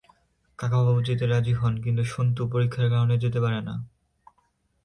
কাকাবাবু যেতে রাজি হন কিন্তু সন্তু পরীক্ষার কারণে যেতে পারেনা।